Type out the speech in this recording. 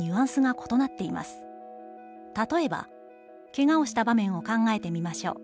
例えば、怪我をした場面を考えてみましょう」。